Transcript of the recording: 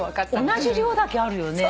同じ量だけあるよね。